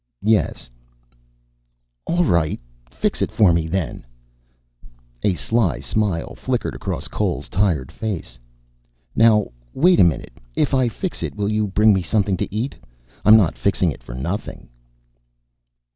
"Yes." "All right. Fix it for me, then." A sly smile flickered across Cole's tired face. "Now, wait a minute. If I fix it, will you bring me something to eat? I'm not fixing it for nothing."